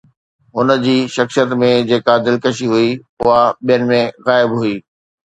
هن جي شخصيت ۾ جيڪا دلڪشي هئي، اها ٻين ۾ غائب هئي.